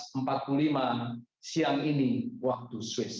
selanjutnya sesuai dengan prosedur hukum yang berlaku di swiss